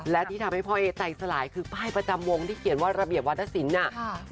และที่ทำให้พ่อเอใจสลายคือป้ายประจำวงที่เขียนว่าระเบียบวัฒนศิลป์น่ะ